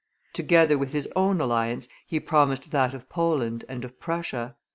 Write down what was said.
Together with his own alliance, he promised that of Poland and of Prussia.